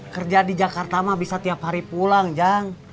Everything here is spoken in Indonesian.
kerja di jakarta mah bisa tiap hari pulang jang